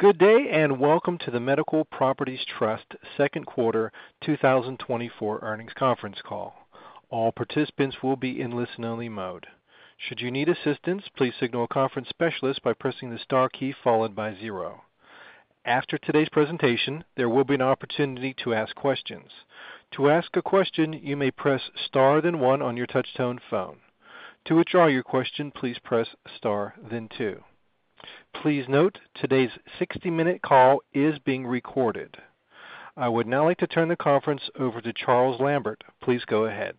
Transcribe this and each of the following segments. Good day, and welcome to the Medical Properties Trust Second Quarter 2024 Earnings Conference Call. All participants will be in listen-only mode. Should you need assistance, please signal a conference specialist by pressing the star key followed by 0. After today's presentation, there will be an opportunity to ask questions. To ask a question, you may press star, then 1 on your touchtone phone. To withdraw your question, please press star, then 2. Please note, today's 60-minute call is being recorded. I would now like to turn the conference over to Charles Lambert. Please go ahead.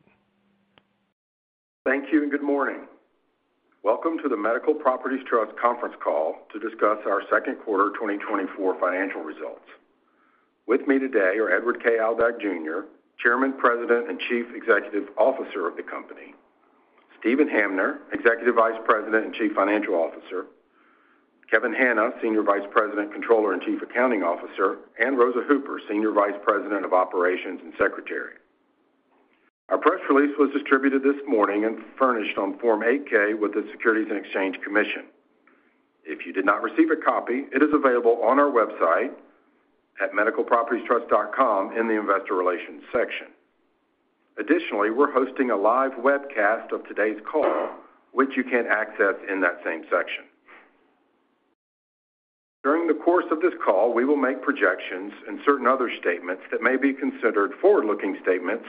Thank you, and good morning. Welcome to the Medical Properties Trust conference call to discuss our second quarter 2024 financial results. With me today are Edward K. Aldag, Jr., Chairman, President, and Chief Executive Officer of the company; Steven Hamner, Executive Vice President and Chief Financial Officer; Kevin Hanna, Senior Vice President, Controller, and Chief Accounting Officer; and Rosa Hooper, Senior Vice President of Operations and Secretary. Our press release was distributed this morning and furnished on Form 8-K with the Securities and Exchange Commission. If you did not receive a copy, it is available on our website at medicalpropertiestrust.com in the Investor Relations section. Additionally, we're hosting a live webcast of today's call, which you can access in that same section. During the course of this call, we will make projections and certain other statements that may be considered forward-looking statements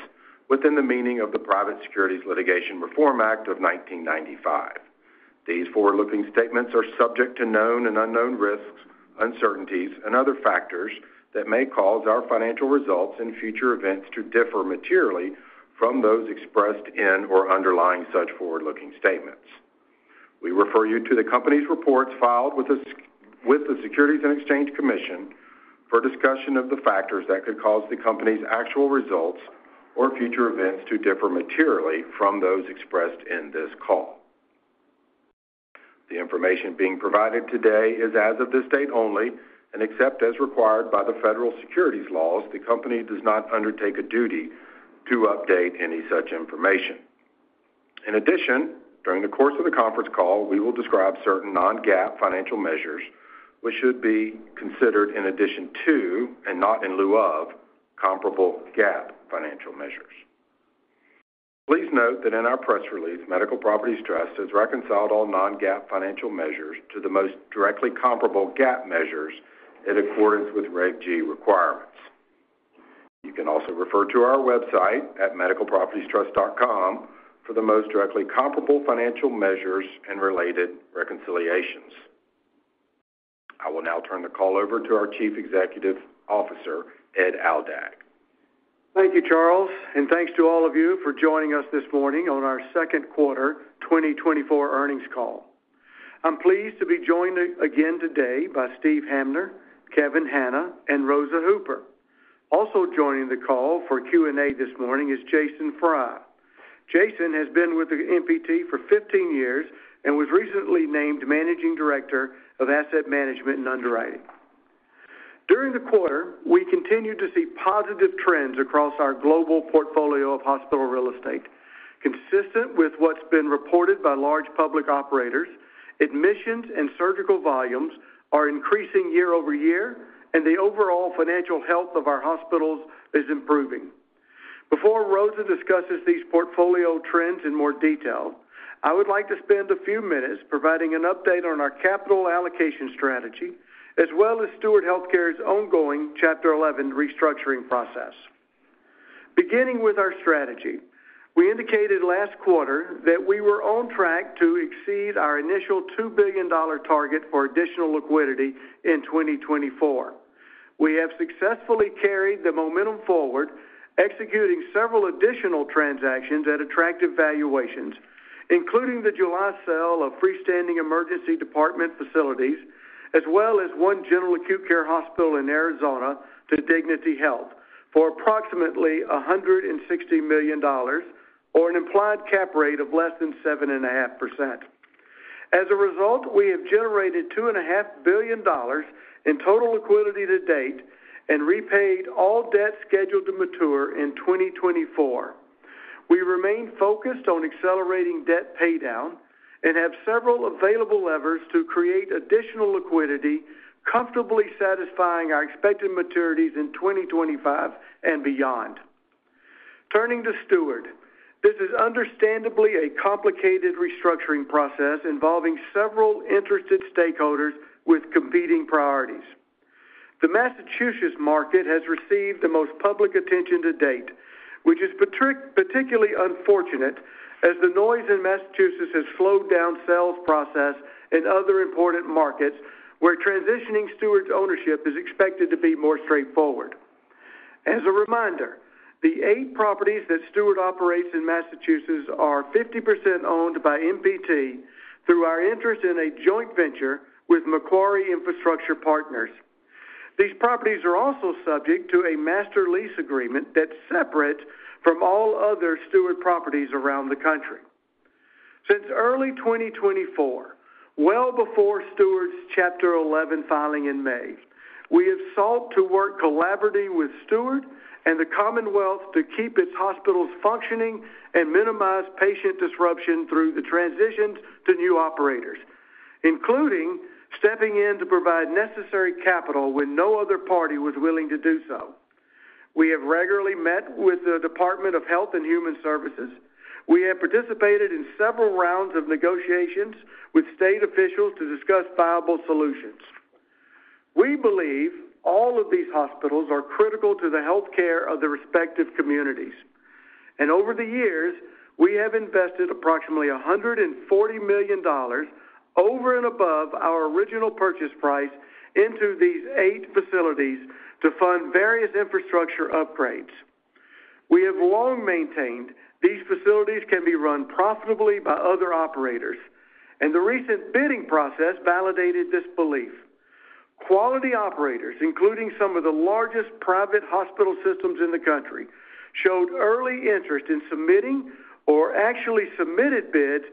within the meaning of the Private Securities Litigation Reform Act of 1995. These forward-looking statements are subject to known and unknown risks, uncertainties, and other factors that may cause our financial results and future events to differ materially from those expressed in or underlying such forward-looking statements. We refer you to the company's reports filed with the Securities and Exchange Commission for a discussion of the factors that could cause the company's actual results or future events to differ materially from those expressed in this call. The information being provided today is as of this date only, and except as required by the federal securities laws, the company does not undertake a duty to update any such information. In addition, during the course of the conference call, we will describe certain non-GAAP financial measures, which should be considered in addition to, and not in lieu of, comparable GAAP financial measures. Please note that in our press release, Medical Properties Trust has reconciled all non-GAAP financial measures to the most directly comparable GAAP measures in accordance with Reg G requirements. You can also refer to our website at medicalpropertiestrust.com for the most directly comparable financial measures and related reconciliations. I will now turn the call over to our Chief Executive Officer, Ed Aldag. Thank you, Charles, and thanks to all of you for joining us this morning on our second quarter 2024 earnings call. I'm pleased to be joined again today by Steven Hamner, Kevin Hanna, and Rosa Hooper. Also joining the call for Q&A this morning is Jason Fry. Jason has been with the MPT for 15 years and was recently named Managing Director of Asset Management and Underwriting. During the quarter, we continued to see positive trends across our global portfolio of hospital real estate. Consistent with what's been reported by large public operators, admissions and surgical volumes are increasing year-over-year, and the overall financial health of our hospitals is improving. Before Rosa discusses these portfolio trends in more detail, I would like to spend a few minutes providing an update on our capital allocation strategy, as well as Steward Health Care's ongoing Chapter 11 restructuring process. Beginning with our strategy, we indicated last quarter that we were on track to exceed our initial $22,000,000,000 target for additional liquidity in 2024. We have successfully carried the momentum forward, executing several additional transactions at attractive valuations, including the July sale of freestanding emergency department facilities, as well as one general acute care hospital in Arizona to Dignity Health for approximately $160,000,000, or an implied cap rate of less than 7.5%. As a result, we have generated $2,500,000,000 in total liquidity to date and repaid all debt scheduled to mature in 2024. We remain focused on accelerating debt paydown and have several available levers to create additional liquidity, comfortably satisfying our expected maturities in 2025 and beyond. Turning to Steward, this is understandably a complicated restructuring process involving several interested stakeholders with competing priorities. The Massachusetts market has received the most public attention to date, which is particularly unfortunate, as the noise in Massachusetts has slowed down sales process in other important markets, where transitioning Steward's ownership is expected to be more straightforward. As a reminder, the eight properties that Steward operates in Massachusetts are 50% owned by MPT through our interest in a joint venture with Macquarie Infrastructure Partners. These properties are also subject to a master lease agreement that's separate from all other Steward properties around the country. Since early 2024, well before Steward's Chapter 11 filing in May, we have sought to work collaboratively with Steward and the Commonwealth to keep its hospitals functioning and minimize patient disruption through the transitions to new operators, including stepping in to provide necessary capital when no other party was willing to do so. We have regularly met with the Department of Health and Human Services. We have participated in several rounds of negotiations with state officials to discuss viable solutions. We believe all of these hospitals are critical to the healthcare of the respective communities, and over the years, we have invested approximately $140,000,000 over and above our original purchase price into these eight facilities to fund various infrastructure upgrades. We have long maintained these facilities can be run profitably by other operators, and the recent bidding process validated this belief. Quality operators, including some of the largest private hospital systems in the country, showed early interest in submitting or actually submitted bids,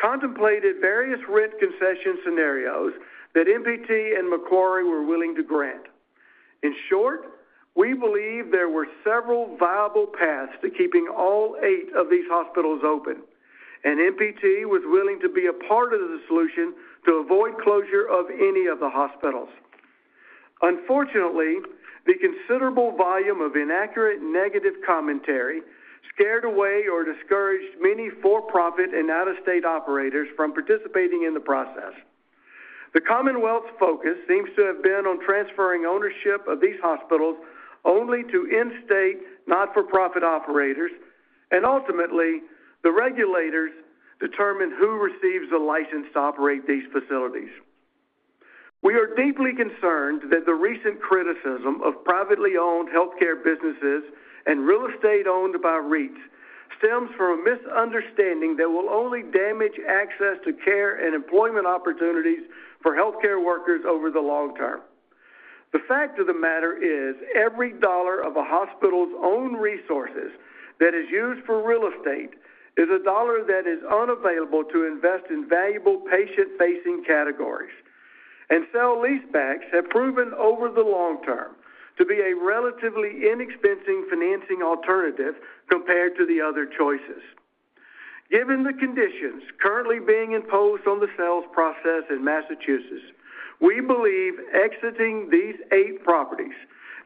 contemplated various rent concession scenarios that MPT and Macquarie were willing to grant. In short, we believe there were several viable paths to keeping all eight of these hospitals open, and MPT was willing to be a part of the solution to avoid closure of any of the hospitals. Unfortunately, the considerable volume of inaccurate negative commentary scared away or discouraged many for-profit and out-of-state operators from participating in the process. The Commonwealth's focus seems to have been on transferring ownership of these hospitals only to in-state, not-for-profit operators, and ultimately, the regulators determine who receives the license to operate these facilities. We are deeply concerned that the recent criticism of privately owned healthcare businesses and real estate owned by REITs stems from a misunderstanding that will only damage access to care and employment opportunities for healthcare workers over the long term. The fact of the matter is, every dollar of a hospital's own resources that is used for real estate is a dollar that is unavailable to invest in valuable patient-facing categories. Sell leasebacks have proven over the long term to be a relatively inexpensive financing alternative compared to the other choices. Given the conditions currently being imposed on the sales process in Massachusetts, we believe exiting these 8 properties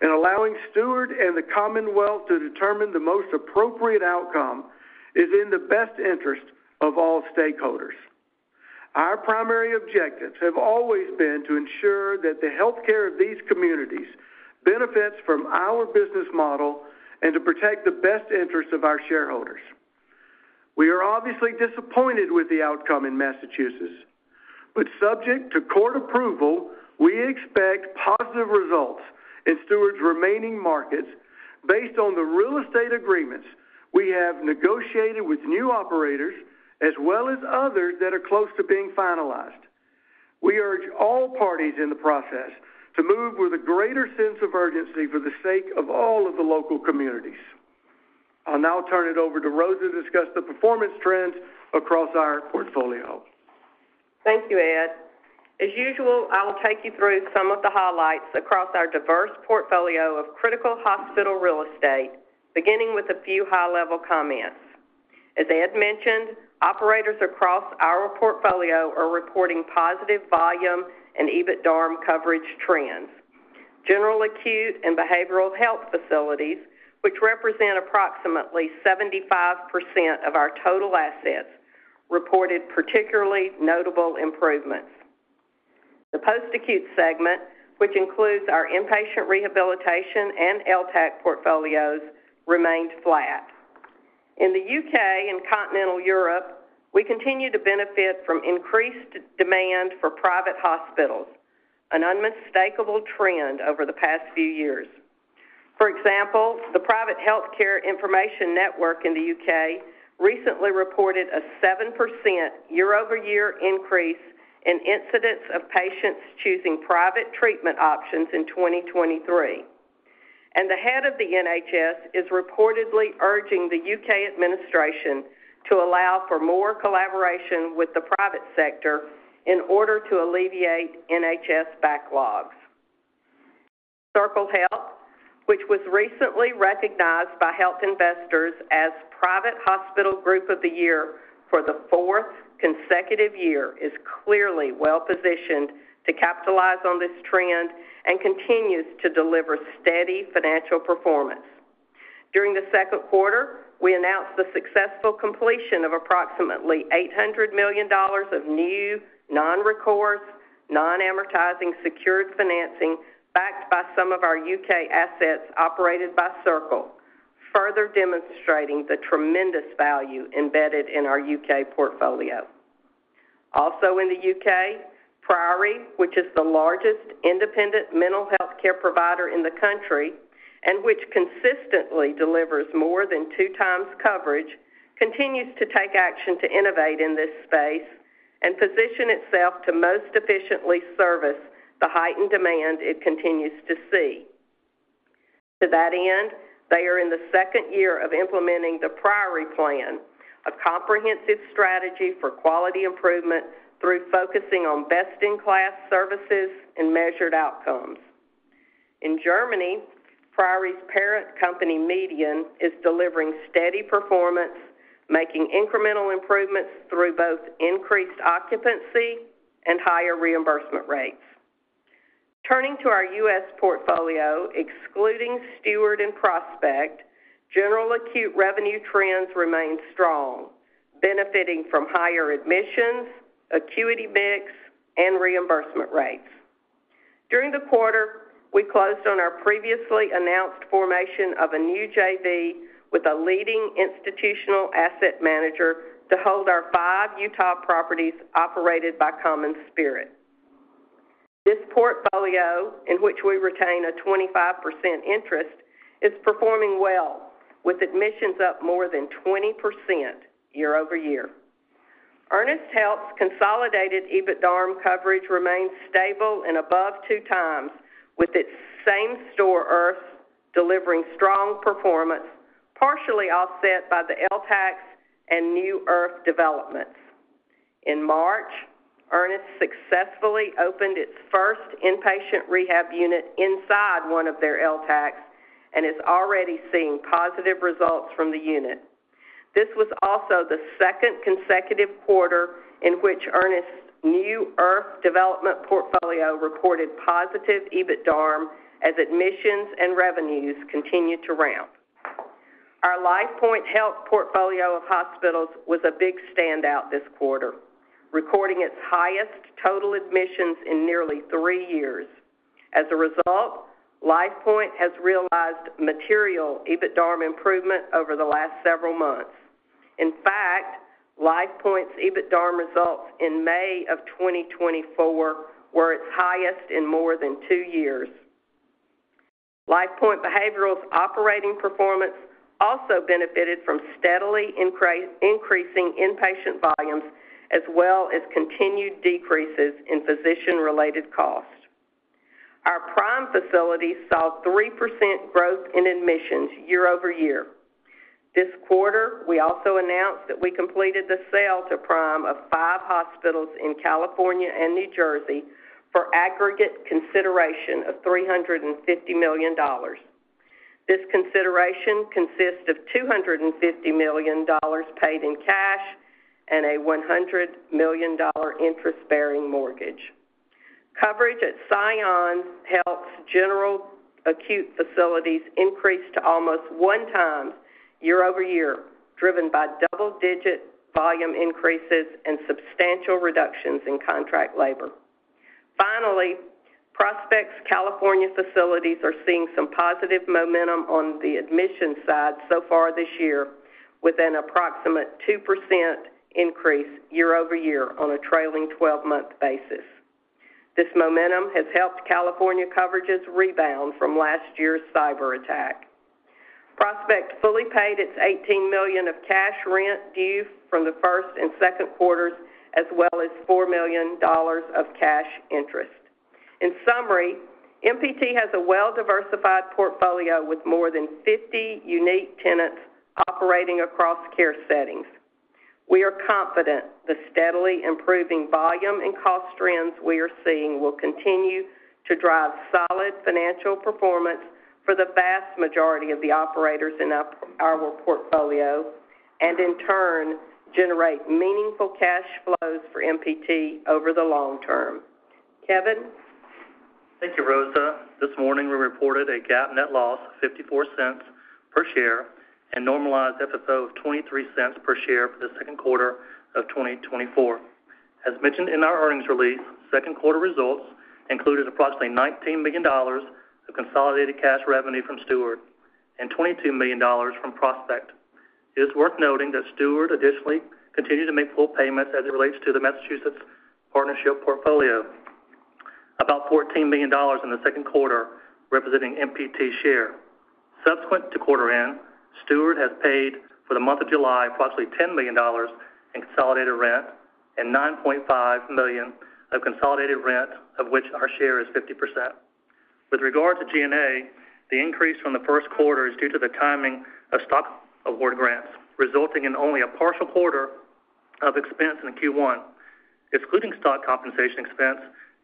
and allowing Steward and the Commonwealth to determine the most appropriate outcome is in the best interest of all stakeholders. Our primary objectives have always been to ensure that the healthcare of these communities benefits from our business model and to protect the best interest of our shareholders. We are obviously disappointed with the outcome in Massachusetts, but subject to court approval, we expect positive results in Steward's remaining markets based on the real estate agreements we have negotiated with new operators, as well as others that are close to being finalized. We urge all parties in the process to move with a greater sense of urgency for the sake of all of the local communities. I'll now turn it over to Rosa to discuss the performance trends across our portfolio. Thank you, Ed. As usual, I'll take you through some of the highlights across our diverse portfolio of critical hospital real estate, beginning with a few high-level comments. As Ed mentioned, operators across our portfolio are reporting positive volume and EBITDARM coverage trends. General acute and behavioral health facilities, which represent approximately 75% of our total assets, reported particularly notable improvements. The post-acute segment, which includes our inpatient rehabilitation and LTAC portfolios, remained flat. In the U.K. and Continental Europe, we continue to benefit from increased demand for private hospitals, an unmistakable trend over the past few years. For example, the Private Healthcare Information Network in the U.K. recently reported a 7% year-over-year increase in incidents of patients choosing private treatment options in 2023. The head of the NHS is reportedly urging the UK administration to allow for more collaboration with the private sector in order to alleviate NHS backlogs. Circle Health, which was recently recognized by HealthInvestor as Private Hospital Group of the Year for the fourth consecutive year, is clearly well-positioned to capitalize on this trend and continues to deliver steady financial performance. During the second quarter, we announced the successful completion of approximately $800,000,000 of new non-recourse, non-amortizing, secured financing, backed by some of our UK assets operated by Circle, further demonstrating the tremendous value embedded in our UK portfolio. Also in the UK, Priory, which is the largest independent mental health care provider in the country, and which consistently delivers more than two times coverage, continues to take action to innovate in this space and position itself to most efficiently service the heightened demand it continues to see. To that end, they are in the second year of implementing the Priory Plan, a comprehensive strategy for quality improvement through focusing on best-in-class services and measured outcomes. In Germany, Priory's parent company, MEDIAN, is delivering steady performance, making incremental improvements through both increased occupancy and higher reimbursement rates. Turning to our US portfolio, excluding Steward and Prospect, general acute revenue trends remain strong, benefiting from higher admissions, acuity mix, and reimbursement rates. During the quarter, we closed on our previously announced formation of a new JV with a leading institutional asset manager to hold our five Utah properties operated by CommonSpirit. This portfolio, in which we retain a 25% interest, is performing well, with admissions up more than 20% year-over-year. Ernest Health's consolidated EBITDARM coverage remains stable and above 2x, with its same-store IRF delivering strong performance, partially offset by the LTACs and new IRF developments. In March, Ernest successfully opened its first inpatient rehab unit inside one of their LTACs, and is already seeing positive results from the unit. This was also the second consecutive quarter in which Ernest's new IRF development portfolio reported positive EBITDARM, as admissions and revenues continued to ramp. Our LifePoint Health portfolio of hospitals was a big standout this quarter, recording its highest total admissions in nearly three years. As a result, LifePoint has realized material EBITDARM improvement over the last several months. In fact, LifePoint's EBITDARM results in May of 2024 were its highest in more than two years. LifePoint Behavioral's operating performance also benefited from steadily increasing inpatient volumes, as well as continued decreases in physician-related costs. Our Prime facilities saw 3% growth in admissions year-over-year. This quarter, we also announced that we completed the sale to Prime of five hospitals in California and New Jersey for aggregate consideration of $350,000,000. This consideration consists of $250,000,000 paid in cash and a $100,000,000 interest-bearing mortgage. Coverage at Scion Health's general acute facilities increased to almost 1x year-over-year, driven by double-digit volume increases and substantial reductions in contract labor. Finally, Prospect's California facilities are seeing some positive momentum on the admissions side so far this year, with an approximate 2% increase year-over-year on a trailing twelve-month basis. This momentum has helped California coverages rebound from last year's cyber attack. Prospect fully paid its $18,000,000 of cash rent due from the first and second quarters, as well as $4,000,000 of cash interest. In summary, MPT has a well-diversified portfolio with more than 50 unique tenants operating across care settings. We are confident the steadily improving volume and cost trends we are seeing will continue to drive solid financial performance for the vast majority of the operators in our portfolio, and in turn, generate meaningful cash flows for MPT over the long term. Kevin? Thank you, Rosa. This morning, we reported a GAAP net loss of $0.54 per share and normalized FFO of $0.23 per share for the second quarter of 2024. As mentioned in our earnings release, second quarter results included approximately $19 million of consolidated cash revenue from Steward and $22,000,000 from Prospect. It is worth noting that Steward additionally continued to make full payments as it relates to the Massachusetts partnership portfolio, about $14,000,000 in the second quarter, representing MPT's share. Subsequent to quarter end, Steward has paid for the month of July, approximately $10,000,000 in consolidated rent and $9,500,000 of consolidated rent, of which our share is 50%. With regard to G&A, the increase from the first quarter is due to the timing of stock award grants, resulting in only a partial quarter of expense in Q1. Excluding stock compensation expense,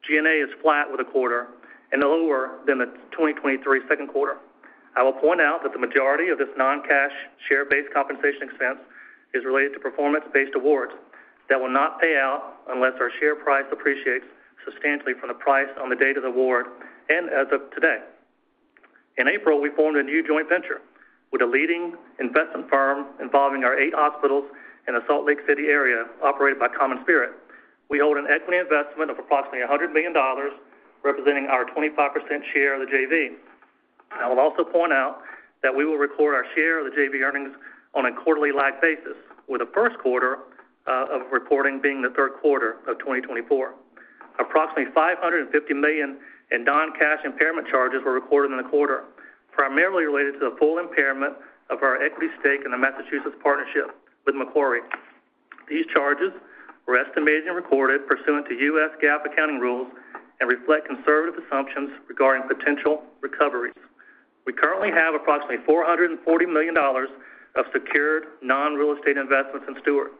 G&A is flat with the quarter and lower than the 2023 second quarter. I will point out that the majority of this non-cash, share-based compensation expense is related to performance-based awards that will not pay out unless our share price appreciates substantially from the price on the date of the award and as of today. In April, we formed a new joint venture with a leading investment firm involving our 8 hospitals in the Salt Lake City area, operated by CommonSpirit. We hold an equity investment of approximately $100,000,000, representing our 25% share of the JV. I will also point out that we will record our share of the JV earnings on a quarterly lag basis, with the first quarter of reporting being the third quarter of 2024. Approximately $550,000,000 in non-cash impairment charges were recorded in the quarter, primarily related to the full impairment of our equity stake in the Massachusetts partnership with Macquarie. These charges were estimated and recorded pursuant to U.S. GAAP accounting rules and reflect conservative assumptions regarding potential recoveries. We currently have approximately $440,000,000 of secured non-real estate investments in Steward,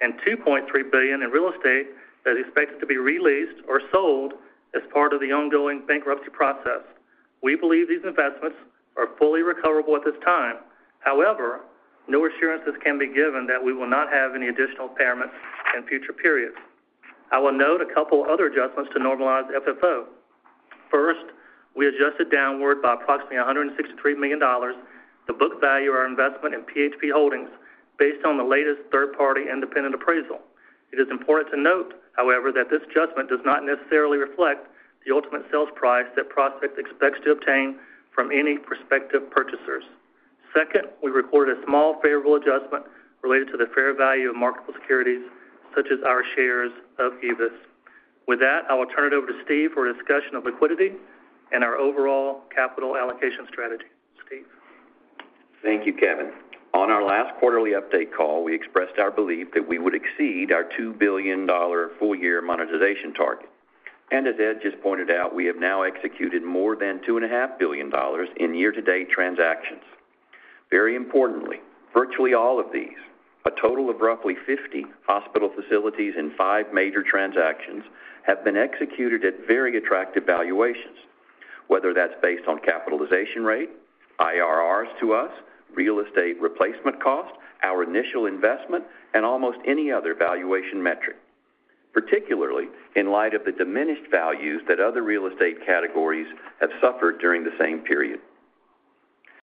and $2,300,000,000 in real estate that is expected to be re-leased or sold as part of the ongoing bankruptcy process. We believe these investments are fully recoverable at this time. However, no assurances can be given that we will not have any additional impairments in future periods. I will note a couple other adjustments to Normalized FFO. First, we adjusted downward by approximately $163 million, the book value of our investment in PHP Holdings, based on the latest third-party independent appraisal. It is important to note, however, that this adjustment does not necessarily reflect the ultimate sales price that Prospect expects to obtain from any prospective purchasers. Second, we recorded a small favorable adjustment related to the fair value of marketable securities, such as our shares of Aevis. With that, I will turn it over to Steve for a discussion of liquidity and our overall capital allocation strategy. Steve? Thank you, Kevin. On our last quarterly update call, we expressed our belief that we would exceed our $2,000,000,000 full-year monetization target. As Ed just pointed out, we have now executed more than $2,500,000,000 in year-to-date transactions. Very importantly, virtually all of these, a total of roughly 50 hospital facilities in 5 major transactions, have been executed at very attractive valuations, whether that's based on capitalization rate, IRRs to us, real estate replacement cost, our initial investment, and almost any other valuation metric, particularly in light of the diminished values that other real estate categories have suffered during the same period.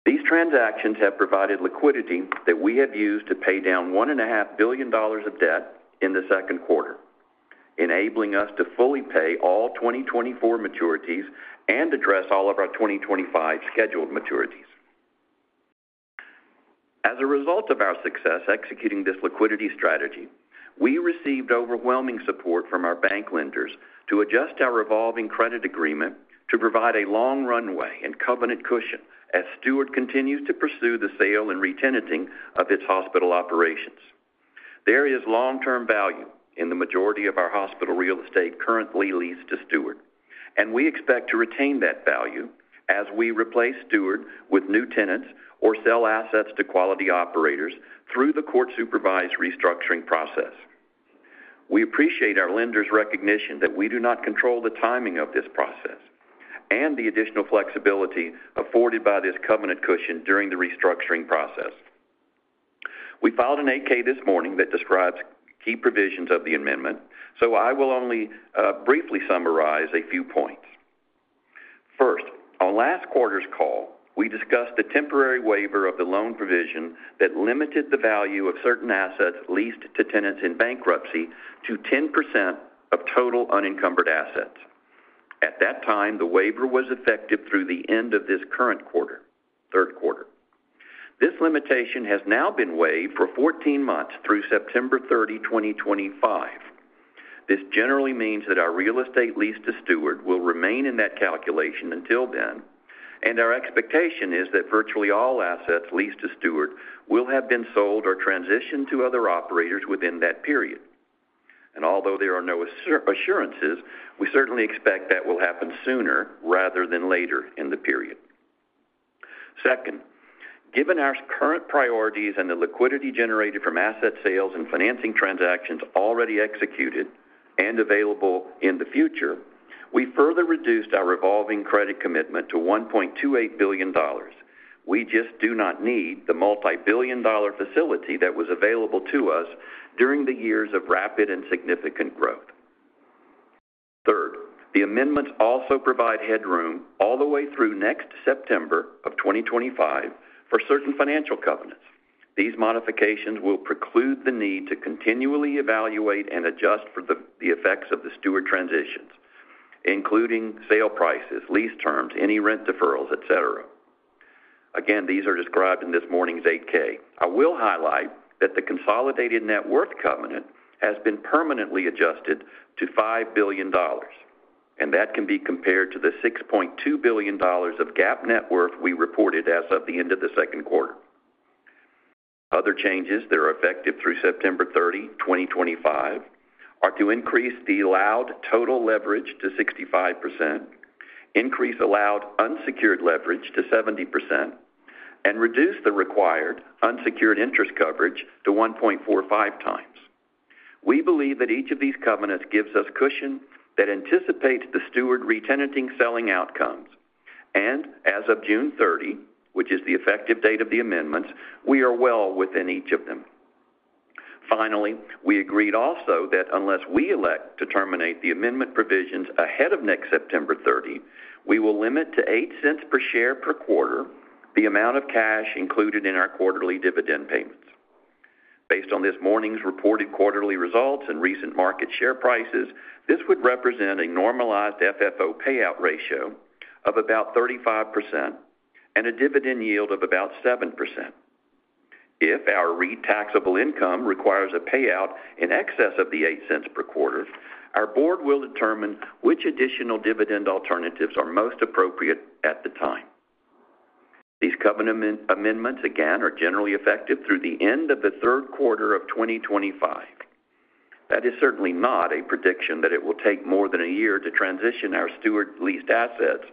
These transactions have provided liquidity that we have used to pay down $1,500,000,000 of debt in the second quarter, enabling us to fully pay all 2024 maturities and address all of our 2025 scheduled maturities. As a result of our success executing this liquidity strategy, we received overwhelming support from our bank lenders to adjust our revolving credit agreement to provide a long runway and covenant cushion as Steward continues to pursue the sale and re-tenanting of its hospital operations. There is long-term value in the majority of our hospital real estate currently leased to Steward, and we expect to retain that value as we replace Steward with new tenants or sell assets to quality operators through the court-supervised restructuring process. We appreciate our lenders' recognition that we do not control the timing of this process and the additional flexibility afforded by this covenant cushion during the restructuring process. We filed an 8-K this morning that describes key provisions of the amendment, so I will only briefly summarize a few points. First, on last quarter's call, we discussed the temporary waiver of the loan provision that limited the value of certain assets leased to tenants in bankruptcy to 10% of total unencumbered assets. At that time, the waiver was effective through the end of this current quarter, third quarter. This limitation has now been waived for 14 months through September 30, 2025. This generally means that our real estate leased to Steward will remain in that calculation until then, and our expectation is that virtually all assets leased to Steward will have been sold or transitioned to other operators within that period. Although there are no assurances, we certainly expect that will happen sooner rather than later in the period. Second, given our current priorities and the liquidity generated from asset sales and financing transactions already executed and available in the future, we further reduced our revolving credit commitment to $1,280,000,000. We just do not need the multi-billion dollar facility that was available to us during the years of rapid and significant growth. Third, the amendments also provide headroom all the way through next September of 2025 for certain financial covenants. These modifications will preclude the need to continually evaluate and adjust for the effects of the Steward transitions, including sale prices, lease terms, any rent deferrals, et cetera. Again, these are described in this morning's 8-K. I will highlight that the consolidated net worth covenant has been permanently adjusted to $5 billion, and that can be compared to the $6,200,000,000 of GAAP net worth we reported as of the end of the second quarter. Other changes that are effective through September 30, 2025, are to increase the allowed total leverage to 65%, increase allowed unsecured leverage to 70%, and reduce the required unsecured interest coverage to 1.45 times. We believe that each of these covenants gives us cushion that anticipates the Steward re-tenanting selling outcomes. As of June 30, which is the effective date of the amendments, we are well within each of them. Finally, we agreed also that unless we elect to terminate the amendment provisions ahead of next September 30, we will limit to $0.08 per share per quarter, the amount of cash included in our quarterly dividend payments. Based on this morning's reported quarterly results and recent market share prices, this would represent a normalized FFO payout ratio of about 35% and a dividend yield of about 7%. If our REIT taxable income requires a payout in excess of the $0.08 per quarter, our board will determine which additional dividend alternatives are most appropriate at the time. These covenant amendments again are generally effective through the end of the third quarter of 2025. That is certainly not a prediction that it will take more than a year to transition our Steward leased assets,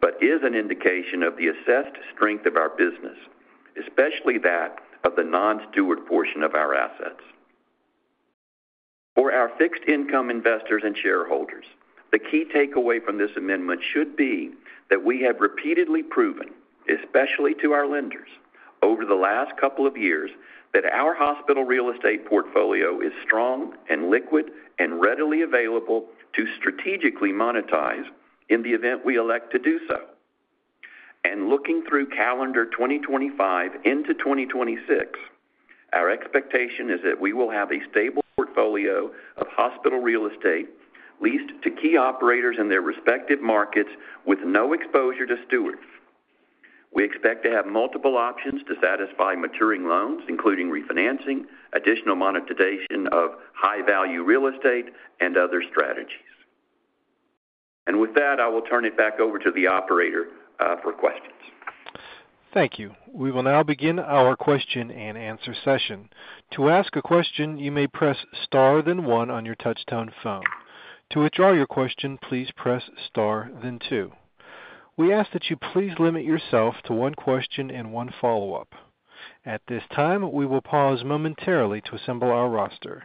but is an indication of the assessed strength of our business, especially that of the non-Steward portion of our assets. For our fixed income investors and shareholders, the key takeaway from this amendment should be that we have repeatedly proven, especially to our lenders, over the last couple of years, that our hospital real estate portfolio is strong and liquid and readily available to strategically monetize in the event we elect to do so. And looking through calendar 2025 into 2026, our expectation is that we will have a stable portfolio of hospital real estate leased to key operators in their respective markets, with no exposure to Steward. We expect to have multiple options to satisfy maturing loans, including refinancing, additional monetization of high-value real estate, and other strategies. And with that, I will turn it back over to the operator for questions. Thank you. We will now begin our question-and-answer session. To ask a question, you may press star, then one on your touchtone phone. To withdraw your question, please press star, then two. We ask that you please limit yourself to one question and one follow-up. At this time, we will pause momentarily to assemble our roster.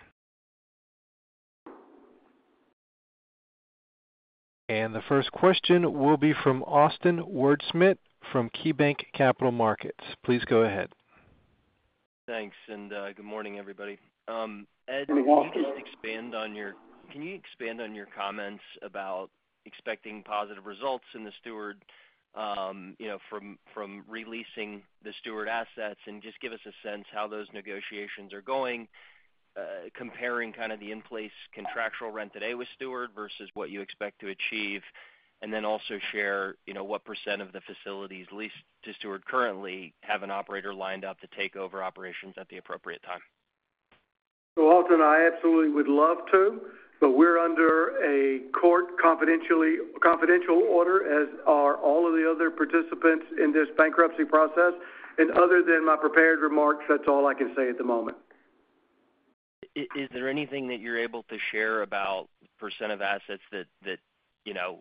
The first question will be from Austin Wurschmidt from KeyBanc Capital Markets. Please go ahead. Thanks, and, good morning, everybody. Good morning, Austin. Can you expand on your comments about expecting positive results in the Steward, you know, from re-leasing the Steward assets? Just give us a sense how those negotiations are going, comparing kind of the in-place contractual rent today with Steward versus what you expect to achieve, and then also share, you know, what percent of the facilities leased to Steward currently have an operator lined up to take over operations at the appropriate time. So Austin, I absolutely would love to, but we're under a court confidentiality order, as are all of the other participants in this bankruptcy process. And other than my prepared remarks, that's all I can say at the moment. Is there anything that you're able to share about percent of assets that you know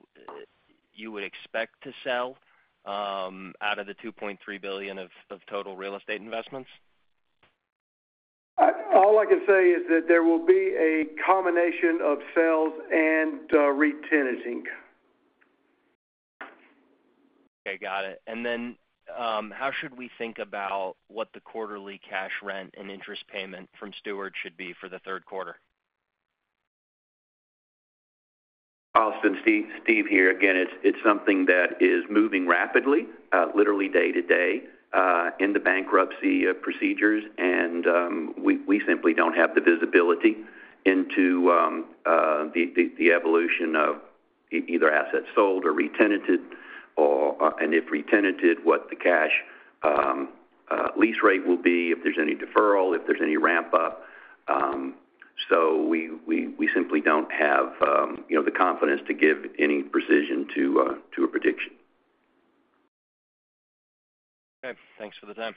you would expect to sell out of the $2,300,000,000 of total real estate investments? All I can say is that there will be a combination of sales and re-tenanting. Okay, got it. And then, how should we think about what the quarterly cash rent and interest payment from Steward should be for the third quarter? Austin, Steve, Steve here. Again, it's something that is moving rapidly, literally day to day, in the bankruptcy procedures, and we simply don't have the visibility into the evolution of either assets sold or re-tenanted or, and if re-tenanted, what the cash lease rate will be, if there's any deferral, if there's any ramp up. So we simply don't have, you know, the confidence to give any precision to a prediction. Okay. Thanks for the time.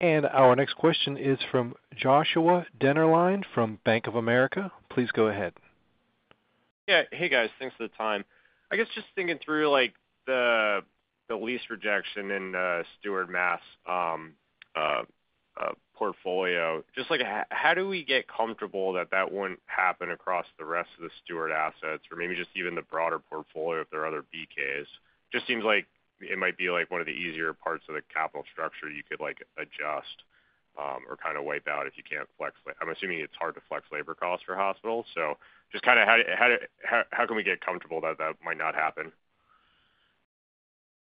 Our next question is from Joshua Dennerline from Bank of America. Please go ahead. Yeah. Hey, guys, thanks for the time. I guess just thinking through, like, the lease rejection in Steward Massachusetts portfolio, just like how do we get comfortable that that wouldn't happen across the rest of the Steward assets or maybe just even the broader portfolio if there are other BKs? Just seems like it might be, like, one of the easier parts of the capital structure you could, like, adjust or kind of wipe out if you can't flex. I'm assuming it's hard to flex labor costs for hospitals, so just kind of how can we get comfortable that that might not happen?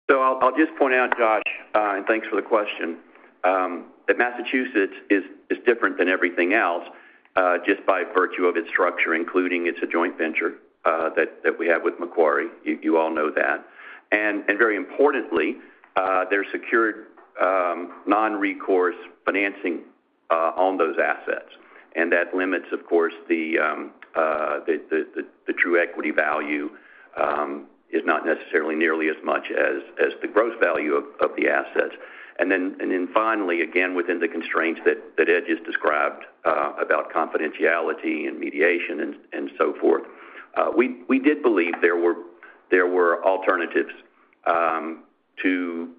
So I'll just point out, Josh, and thanks for the question, that Massachusetts is different than everything else, just by virtue of its structure, including it's a joint venture that we have with Macquarie. You all know that. And very importantly, there's secured non-recourse financing on those assets, and that limits, of course, the true equity value is not necessarily nearly as much as the gross value of the assets. And then finally, again, within the constraints that Ed just described, about confidentiality and mediation and so forth, we did believe there were alternatives to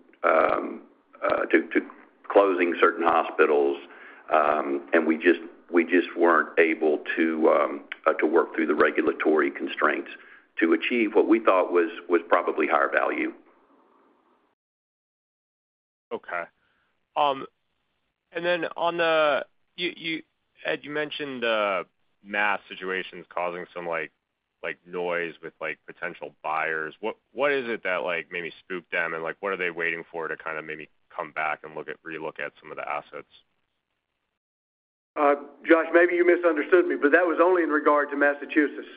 closing certain hospitals, and we just weren't able to work through the regulatory constraints to achieve what we thought was probably higher value. Okay. And then on the... You, Ed, you mentioned Mass situations causing some, like, noise with, like, potential buyers. What is it that, like, maybe spooked them? And, like, what are they waiting for to kind of maybe come back and look at re-look at some of the assets? Josh, maybe you misunderstood me, but that was only in regard to Massachusetts.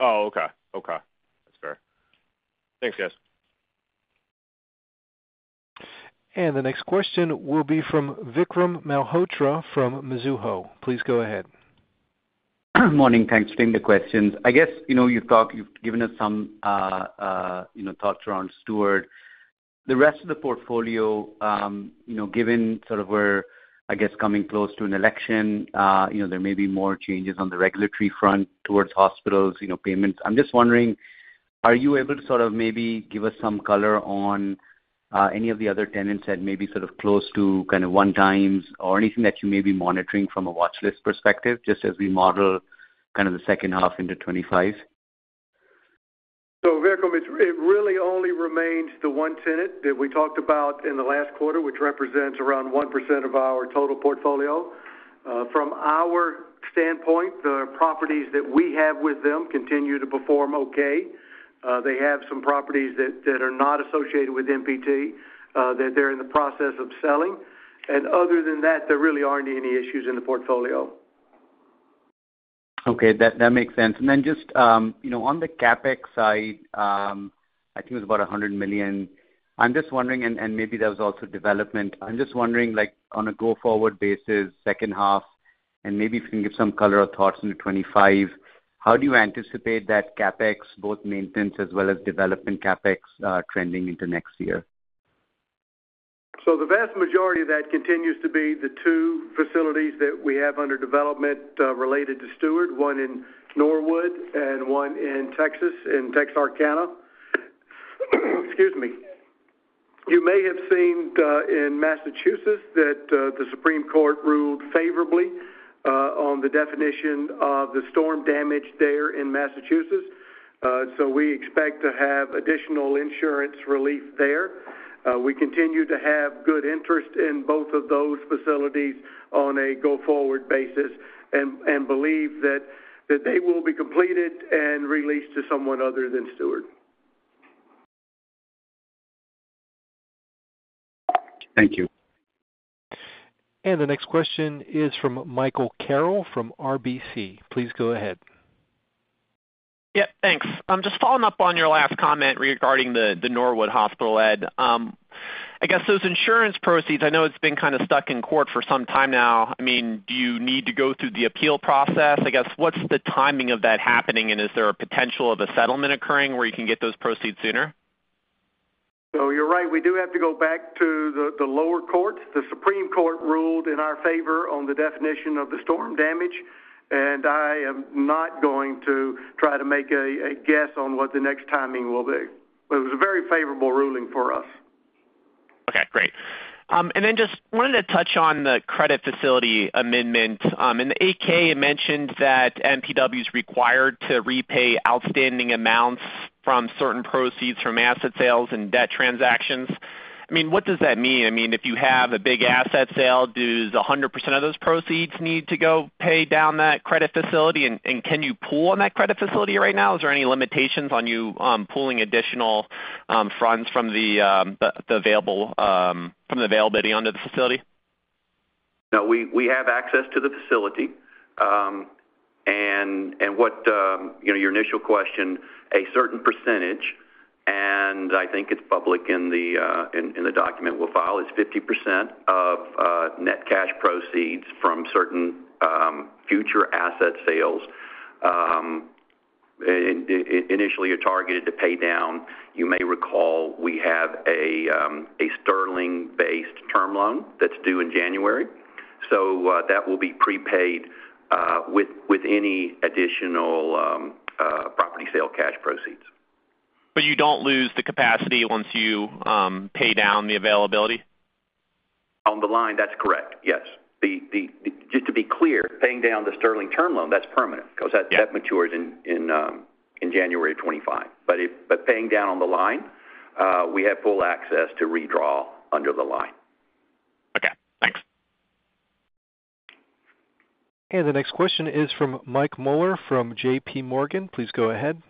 Oh, okay. Okay. That's fair. Thanks, guys.… The next question will be from Vikram Malhotra from Mizuho. Please go ahead. Morning. Thanks for taking the questions. I guess, you know, you've given us some you know thoughts around Steward. The rest of the portfolio, you know, given sort of we're, I guess, coming close to an election, you know, there may be more changes on the regulatory front towards hospitals, you know, payments. I'm just wondering, are you able to sort of maybe give us some color on any of the other tenants that may be sort of close to kind of 1x or anything that you may be monitoring from a watchlist perspective, just as we model kind of the second half into 2025? So Vikram, it really only remains the one tenant that we talked about in the last quarter, which represents around 1% of our total portfolio. From our standpoint, the properties that we have with them continue to perform okay. They have some properties that are not associated with MPT, that they're in the process of selling. And other than that, there really aren't any issues in the portfolio. Okay, that, that makes sense. And then just, you know, on the CapEx side, I think it was about $100,000,000. I'm just wondering, and, and maybe there was also development. I'm just wondering, like on a go-forward basis, second half, and maybe if you can give some color or thoughts into 2025, how do you anticipate that CapEx, both maintenance as well as development CapEx, trending into next year? So the vast majority of that continues to be the two facilities that we have under development, related to Steward, one in Norwood and one in Texas, in Texarkana. Excuse me. You may have seen, in Massachusetts that, the Supreme Court ruled favorably, on the definition of the storm damage there in Massachusetts. So we expect to have additional insurance relief there. We continue to have good interest in both of those facilities on a go-forward basis and believe that they will be completed and re-leased to someone other than Steward. Thank you. The next question is from Michael Carroll from RBC. Please go ahead. Yep, thanks. I'm just following up on your last comment regarding the Norwood Hospital, Ed. I guess those insurance proceeds, I know it's been kind of stuck in court for some time now. I mean, do you need to go through the appeal process? I guess, what's the timing of that happening, and is there a potential of a settlement occurring where you can get those proceeds sooner? You're right, we do have to go back to the lower court. The Supreme Court ruled in our favor on the definition of the storm damage, and I am not going to try to make a guess on what the next timing will be. But it was a very favorable ruling for us. Okay, great. And then just wanted to touch on the credit facility amendment. In the 8-K, you mentioned that MPW is required to repay outstanding amounts from certain proceeds from asset sales and debt transactions. I mean, what does that mean? I mean, if you have a big asset sale, does 100% of those proceeds need to go pay down that credit facility? And, and can you pull on that credit facility right now? Is there any limitations on you pulling additional funds from the, the available from the availability under the facility? No, we have access to the facility. And what, you know, your initial question, a certain percentage, and I think it's public in the document we'll file, is 50% of net cash proceeds from certain future asset sales. Initially, you're targeted to pay down. You may recall we have a Sterling-based term loan that's due in January, so that will be prepaid with any additional property sale cash proceeds. But you don't lose the capacity once you pay down the availability? On the line, that's correct, yes. Just to be clear, paying down the Sterling term loan, that's permanent, because that- Yeah. that matures in January of 2025. But paying down on the line, we have full access to redraw under the line. Okay, thanks. The next question is from Mike Muller, from J.P. Morgan. Please go ahead.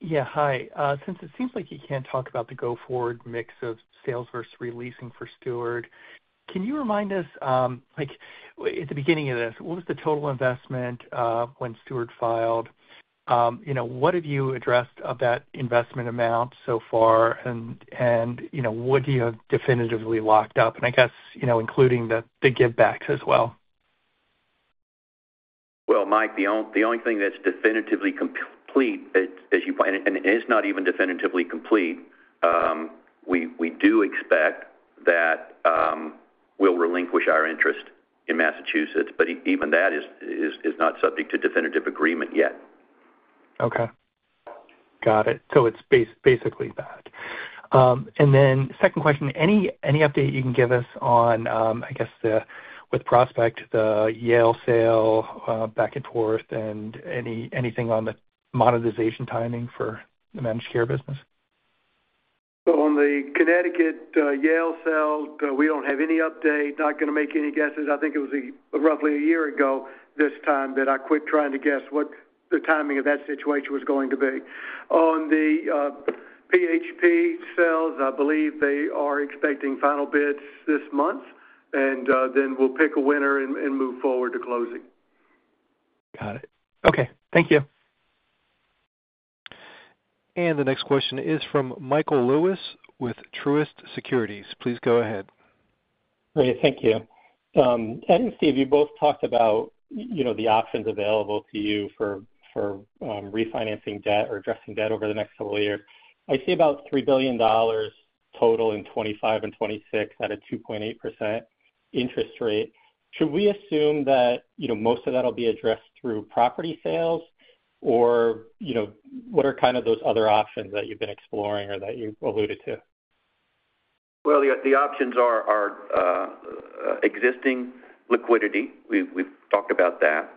Yeah, hi. Since it seems like you can't talk about the go-forward mix of sales versus releasing for Steward, can you remind us, like, at the beginning of this, what was the total investment when Steward filed? You know, what have you addressed of that investment amount so far? And you know, what do you have definitively locked up? And I guess, you know, including the givebacks as well. Well, Mike, the only thing that's definitively complete, as you point, and it is not even definitively complete, we do expect that we'll relinquish our interest in Massachusetts, but even that is not subject to definitive agreement yet. Okay. Got it. So it's basically that. And then second question, any update you can give us on, I guess, the with Prospect, the Yale sale, back and forth, and anything on the monetization timing for the managed care business? So on the Connecticut Yale sale, we don't have any update, not gonna make any guesses. I think it was roughly a year ago, this time, that I quit trying to guess what the timing of that situation was going to be. On the PHP sales, I believe they are expecting final bids this month, and then we'll pick a winner and move forward to closing. Got it. Okay, thank you. ... And the next question is from Michael Lewis with Truist Securities. Please go ahead. Great. Thank you. Ed and Steve, you both talked about, you know, the options available to you for refinancing debt or addressing debt over the next several years. I see about $3,000,000,000 total in 2025 and 2026 at a 2.8% interest rate. Should we assume that, you know, most of that will be addressed through property sales, or, you know, what are kind of those other options that you've been exploring or that you've alluded to? Well, the options are existing liquidity. We've talked about that.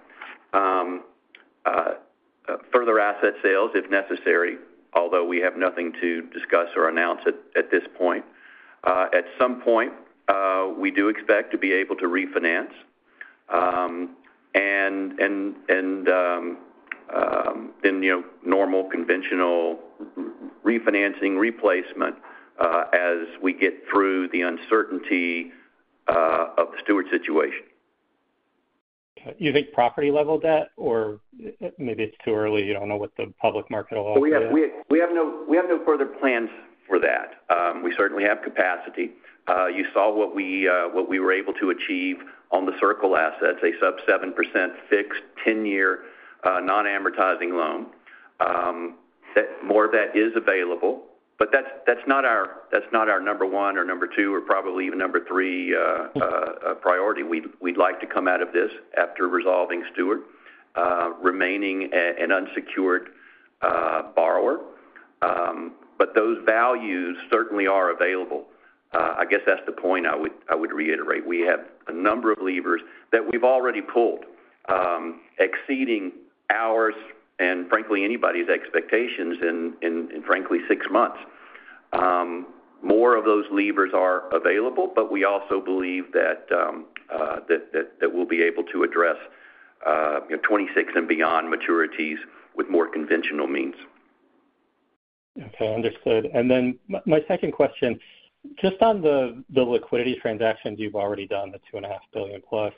Further asset sales, if necessary, although we have nothing to discuss or announce at this point. At some point, we do expect to be able to refinance, and you know, normal conventional refinancing replacement, as we get through the uncertainty of the Steward situation. You think property-level debt, or maybe it's too early, you don't know what the public market will hold? We have no further plans for that. We certainly have capacity. You saw what we were able to achieve on the Circle assets, a sub-7% fixed, 10-year, non-amortizing loan. That more of that is available, but that's not our number one or number two or probably even number three priority. We'd like to come out of this after resolving Steward, remaining an unsecured borrower. But those values certainly are available. I guess that's the point I would reiterate. We have a number of levers that we've already pulled, exceeding ours and frankly, anybody's expectations in frankly, six months. More of those levers are available, but we also believe that we'll be able to address 26 and beyond maturities with more conventional means. Okay, understood. Then my second question, just on the liquidity transactions you've already done, the $2,500,000,000 plus.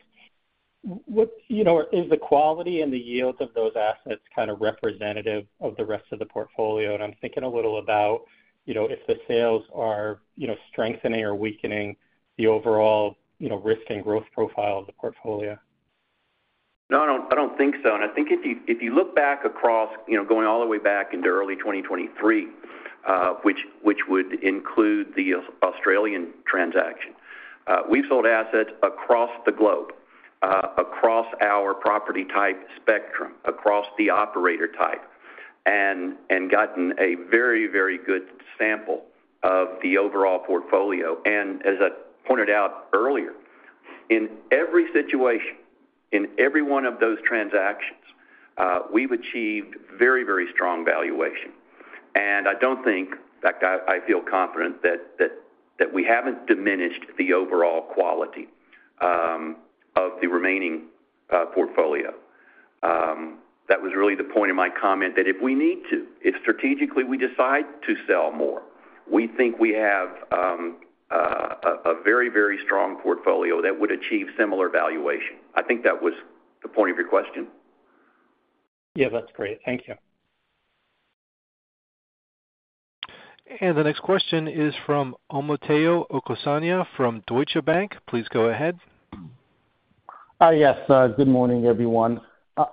What? You know, is the quality and the yields of those assets kind of representative of the rest of the portfolio? And I'm thinking a little about, you know, if the sales are, you know, strengthening or weakening the overall, you know, risk and growth profile of the portfolio. No, I don't, I don't think so. And I think if you, if you look back across, you know, going all the way back into early 2023, which would include the Australian transaction. We've sold assets across the globe, across our property type spectrum, across the operator type, and gotten a very, very good sample of the overall portfolio. And as I pointed out earlier, in every situation, in every one of those transactions, we've achieved very, very strong valuation. And I don't think, in fact, I feel confident that we haven't diminished the overall quality of the remaining portfolio. That was really the point of my comment, that if we need to, if strategically we decide to sell more, we think we have a very, very strong portfolio that would achieve similar valuation. I think that was the point of your question. Yeah, that's great. Thank you. The next question is from Omotayo Okosanya from Deutsche Bank. Please go ahead. Yes, good morning, everyone.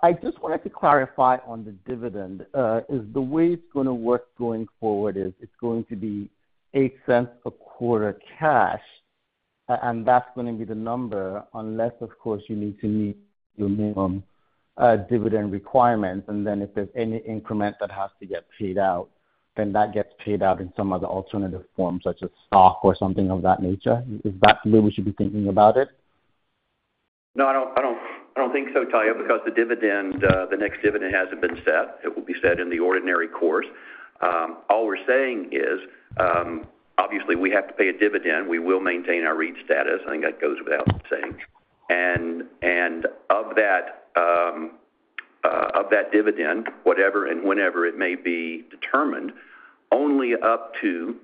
I just wanted to clarify on the dividend. Is the way it's gonna work going forward, is it's going to be $0.08 a quarter cash, and that's gonna be the number, unless, of course, you need to meet your minimum dividend requirements, and then if there's any increment that has to get paid out, then that gets paid out in some other alternative form, such as stock or something of that nature. Is that the way we should be thinking about it? No, I don't, I don't, I don't think so, Tayo, because the dividend, the next dividend hasn't been set. It will be set in the ordinary course. All we're saying is, obviously, we have to pay a dividend. We will maintain our REIT status. I think that goes without saying. And, and of that, of that dividend, whatever and whenever it may be determined, only up to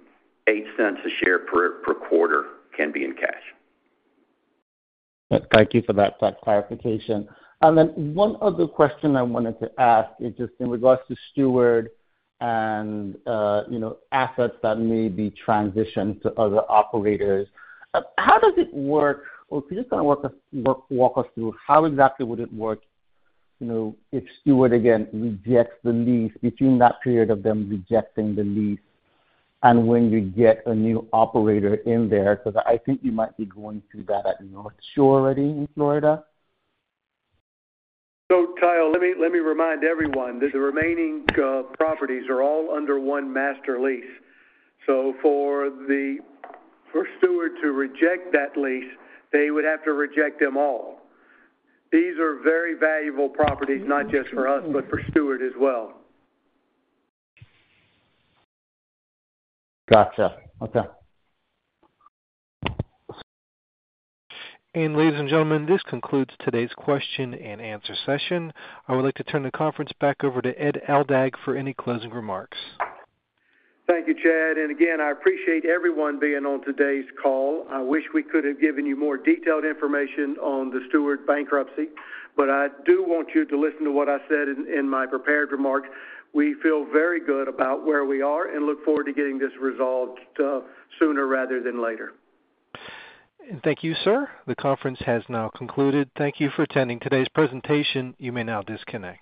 $0.08 per share per quarter can be in cash. Thank you for that clarification. And then one other question I wanted to ask is just in regards to Steward and, you know, assets that may be transitioned to other operators. How does it work? Or can you just kind of walk us through how exactly would it work, you know, if Steward again rejects the lease between that period of them rejecting the lease and when you get a new operator in there, because I think you might be going through that at North Shore already in Florida. So, Tayo, let me remind everyone that the remaining properties are all under one master lease. So for Steward to reject that lease, they would have to reject them all. These are very valuable properties, not just for us, but for Steward as well. Gotcha. Okay. Ladies and gentlemen, this concludes today's question and answer session. I would like to turn the conference back over to Ed Aldag for any closing remarks. Thank you, Chad, and again, I appreciate everyone being on today's call. I wish we could have given you more detailed information on the Steward bankruptcy, but I do want you to listen to what I said in my prepared remarks. We feel very good about where we are and look forward to getting this resolved sooner rather than later. Thank you, sir. The conference has now concluded. Thank you for attending today's presentation. You may now disconnect.